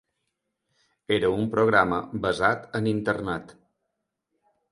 Era un programa basat en Internet.